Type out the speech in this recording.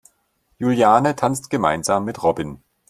Juliane tanzt gemeinsam mit Robin.